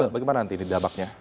bagaimana nanti didapatnya